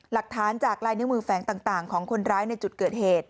หลักฐานจากลายนิ้วมือแฝงต่างของคนร้ายในจุดเกิดเหตุ